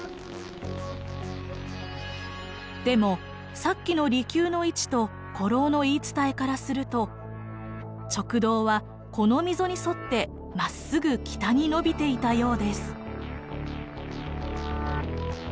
でもさっきの離宮の位置と古老の言い伝えからすると直道はこの溝に沿ってまっすぐ北に延びていたようです。